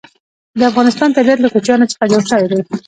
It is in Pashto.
د افغانستان طبیعت له کوچیانو څخه جوړ شوی دی.